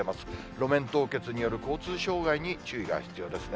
路面凍結による交通障害に注意が必要ですね。